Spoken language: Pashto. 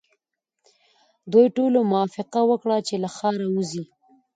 دوی ټولو موافقه وکړه چې له ښاره وځي.